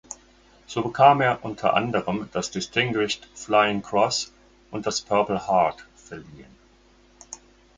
So bekam er unter anderem das Distinguished Flying Cross und das Purple Heart verliehen.